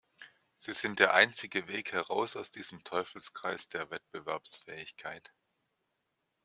Sie sind der einzige Weg heraus aus diesem Teufelskreis der Wettbewerbsfähigkeit.